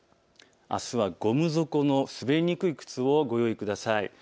あすはゴム底の滑りにくい靴をご用意ください。